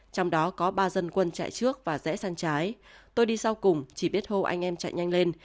trong đó có ba dân quân chạy trước và rẽ sang trái tôi đi sau cùng chỉ biết hô anh em chạy nhanh lên